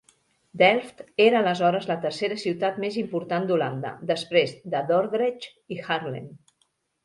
Delft era aleshores la tercera ciutat més important d'Holanda, després de Dordrecht i Haarlem.